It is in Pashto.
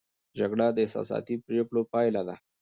جګړه د احساساتي پرېکړو پایله ده.